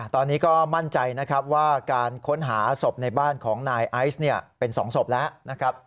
ตอนนี้ก็มั่นใจนะครับว่าการค้นหาศพในบ้านของนายไอซ์เป็น๒ศพแล้วนะครับ